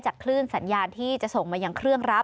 จากคลื่นสัญญาณที่ส่งมาอย่างเครื่องรับ